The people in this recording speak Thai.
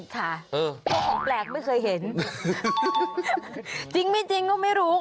ต้องชวนคุณชิสาไปด้วย